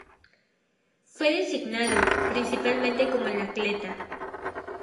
Fue designado, principalmente como el atleta.